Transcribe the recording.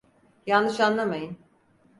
Yanlış anlamayın.